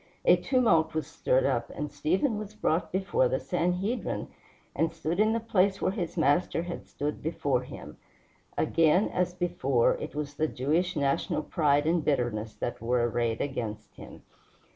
A tumult was stirred up, and Stephen was brought before the Sanhedrim, and stood in the place where his Master had stood before him. Again, as before, it was the Jewish national pride and bitterness that were arrayed against him.